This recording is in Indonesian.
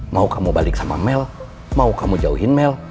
mau kamu balik sama mel mau kamu jauhin mel